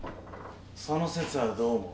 その節はどうも。